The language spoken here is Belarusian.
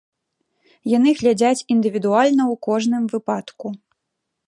Яны глядзяць індывідуальна ў кожным выпадку.